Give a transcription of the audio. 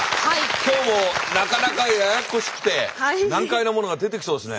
今日もなかなかややこしくて難解なものが出てきそうですね。